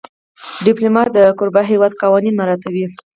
ډيپلومات د کوربه هېواد قوانین مراعاتوي.